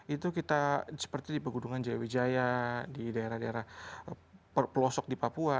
itu kita seperti di pegunungan jaya wijaya di daerah daerah pelosok di papua